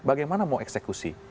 bagaimana mau eksekusi